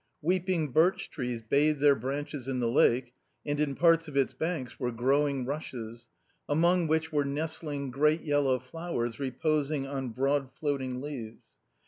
Weeping birch trees bathed their branches in the lake, and in parts of its banks were growing rushes, among which were nestling great yellow flowers reposing on broad floating leaves.